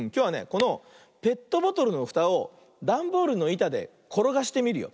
このペットボトルのふたをだんボールのいたでころがしてみるよ。